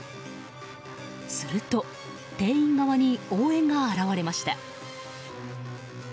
すると、店員側に応援が現れました。